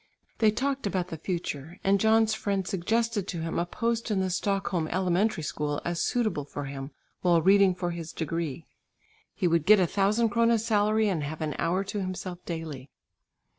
They talked about the future and John's friend suggested to him a post in the Stockholm elementary school as suitable for him while reading for his degree. He would get a thousand kronas salary and have an hour to himself daily.